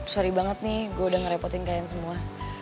sorry banget nih gue udah ngerepotin kalian semua